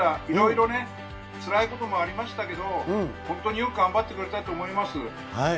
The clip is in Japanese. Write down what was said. いろいろね、つらいこともありましたけど、本当によく頑張ってくれたと思います。